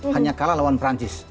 hanya kalah lawan perancis